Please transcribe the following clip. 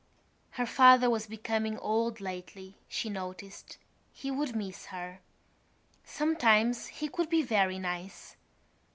Her father was becoming old lately, she noticed; he would miss her. Sometimes he could be very nice.